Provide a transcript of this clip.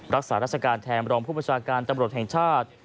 รักษาราชการแทนรองผู้ประชาการตำรวจแห่งชาติ